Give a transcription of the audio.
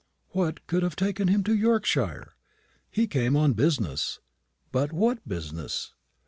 "What could have taken him to Yorkshire?" "He came on business." "But what business?"